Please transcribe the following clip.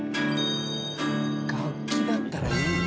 楽器だったらいいんだ。